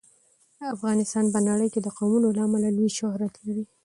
افغانستان په نړۍ کې د قومونه له امله لوی شهرت لري.